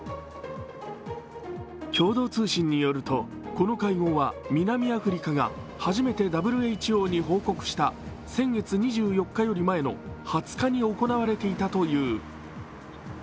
共同通信によるとこの会合は、南アフリカが初めてＷＨＯに報告した先月２４日より前の２０日に行われていたという。